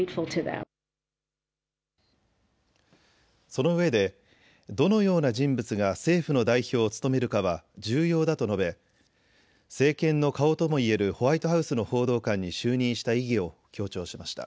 そのうえで、どのような人物が政府の代表を務めるかは重要だと述べ、政権の顔ともいえるホワイトハウスの報道官に就任した意義を強調しました。